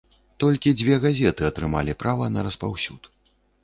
Толькі дзве газеты атрымалі права на распаўсюд.